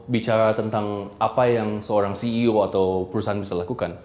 bicara tentang apa yang seorang ceo atau perusahaan bisa lakukan